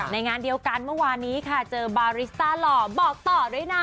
งานเดียวกันเมื่อวานนี้ค่ะเจอบาริสต้าหล่อบอกต่อด้วยนะ